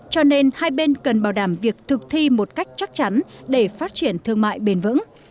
cho nên hai bên cần bảo đảm việc thực thi một cách chắc chắn để phát triển thương mại bền vững